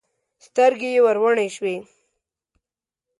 سترګې یې وروڼې شوې.